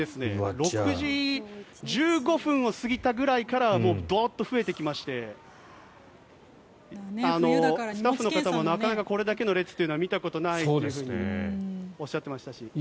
６時１５分を過ぎた辺りからドッと増えてきましてスタッフの方もなかなかこれだけの列は見たことがないとおっしゃっていましたし。